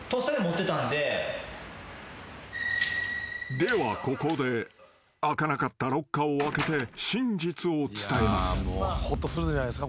［ではここで開かなかったロッカーを開けて真実を伝えます］